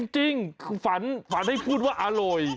จริงฝันให้พูดว่าอร่อย